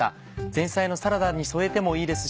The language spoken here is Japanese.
前菜のサラダに添えてもいいです